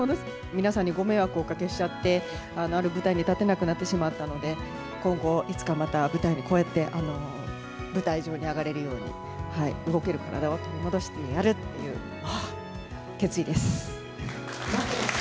皆さんにご迷惑をおかけしちゃって、ある舞台に立てなくなってしまったので、今後、いつかまた舞台にこうやって舞台上に上がれるように、動ける体を取り戻してやるっていう決意です。